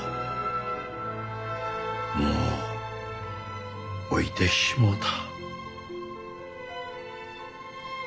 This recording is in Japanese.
もう老いてしもうた。